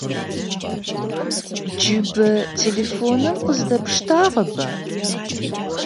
Джыбэ телефоныр къыздэпштагъэба?